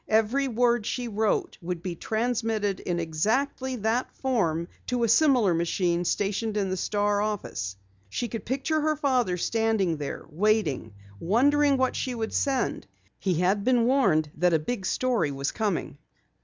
Every word she wrote would be transmitted in exactly that form to a similar machine stationed in the Star office. She could picture her father standing there, waiting, wondering what she would send. He had been warned that a big story was coming.